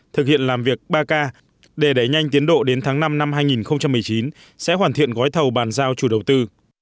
thực hiện làm việc ba k để đẩy nhanh tiến độ đến tháng năm năm hai nghìn một mươi chín sẽ hoàn thiện gói thầu bàn giao chủ đầu tư